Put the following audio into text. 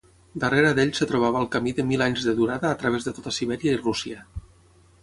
Darrere d'ell es trobava el camí de mil anys de durada a través de tota Sibèria i Rússia.